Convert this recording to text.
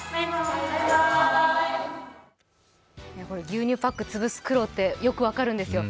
牛乳パック、潰す苦労ってよく分かるんですよ。